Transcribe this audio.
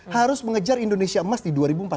harus mengejar indonesia emas di dua ribu empat puluh lima